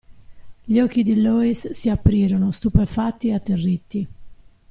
Gli occhi di Loïs si aprirono, stupefatti e atterriti.